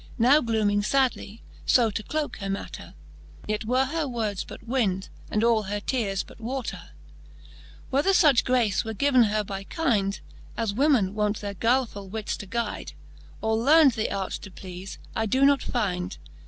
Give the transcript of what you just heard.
Now glooming fadly, fo to cloke her matter ; "Yet were her words but wynd, and all her teares but water. XLIII. Whether fuch grace were given her by kynd. As women wont their guilefuU wits to guyde ; Or learn'd the art to pleafe, I doe not fynd.